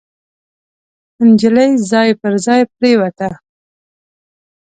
نجلۍ ځای پر ځای پريوته.